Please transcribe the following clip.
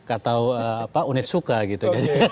atau unitsuka gitu